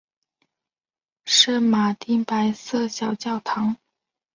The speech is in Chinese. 圣马丁白色小教堂。